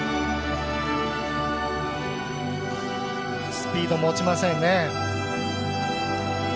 スピードも落ちませんね。